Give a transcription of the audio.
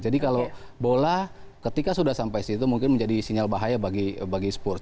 jadi kalau bola ketika sudah sampai situ mungkin menjadi sinyal bahaya bagi spurs